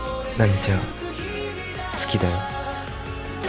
奈未ちゃん好きだよ